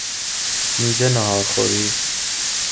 میز ناهار خوری